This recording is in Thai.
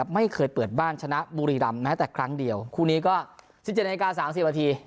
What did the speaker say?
ไม่เคยเปิดบ้านชนะบุรีรำแม้แต่ครั้งเดียวคู่นี้ก็๑๗นาที๓๐นาที